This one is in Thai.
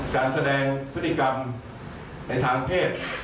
การแสดงพฤติกรรมในทางเพศ